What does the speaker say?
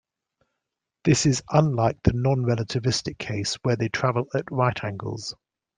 This is unlike the non-relativistic case where they travel at right angles.